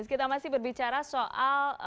kita masih berbicara soal